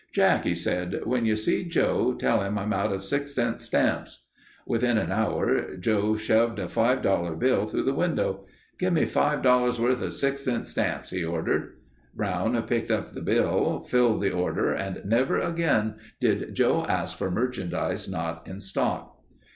"Jack," he said, "when you see Joe tell him I'm out of six cent stamps." Within an hour Joe shoved a five dollar bill through the window. "Give me five dollars' worth of six cent stamps," he ordered. Brown picked up the bill, filled the order and never again did Joe ask for merchandise not in stock.